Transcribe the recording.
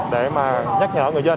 để nhắc nhở người dân